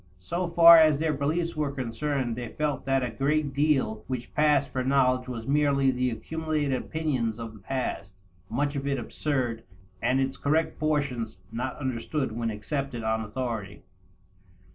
So far as their beliefs were concerned, they felt that a great deal which passed for knowledge was merely the accumulated opinions of the past, much of it absurd and its correct portions not understood when accepted on authority.